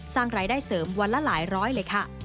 สร้างรายได้เสริมวันละหลายร้อยเลยค่ะ